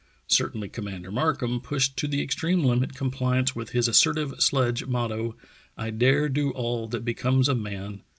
Certainly Commander Markham pushed to the extreme limit compliance w4th his assertive sledge motto: "I dare do all that becomes a man.